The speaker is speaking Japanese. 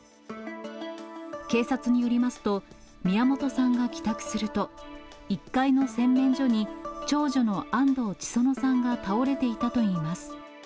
警察によりますと、宮本さんが帰宅すると、１階の洗面所に長女の安藤千園さんが倒れていたといいます。